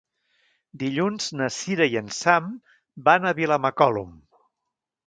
Dilluns na Cira i en Sam van a Vilamacolum.